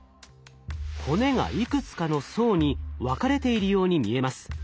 骨がいくつかの層に分かれているように見えます。